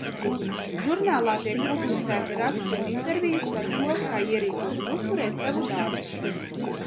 Žurnālā tiek publicēti raksti un intervijas par to, kā ierīkot un uzturēt savu dārzu.